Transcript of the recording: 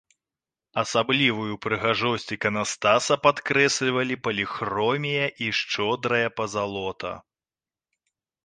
Асаблівую прыгажосць іканастаса падкрэслівалі паліхромія і шчодрая пазалота.